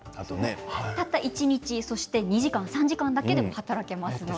たった一日２時間、３時間だけでも働けますので。